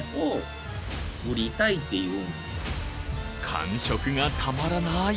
感触がたまらない